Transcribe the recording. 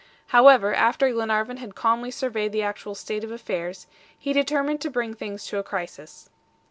However, after Glenarvan had calmly surveyed the actual state of affairs, he determined to bring things to a crisis.